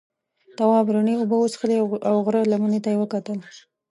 تواب رڼې اوبه وڅښلې او غره لمنې ته یې وکتل.